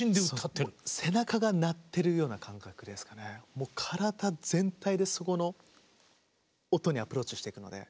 もう体全体でそこの音にアプローチしていくので。